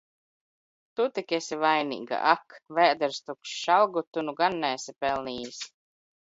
Tu tik esi vainīga! Ak! Vēders tukšs! Algu tu nu gan neesi pelnījis.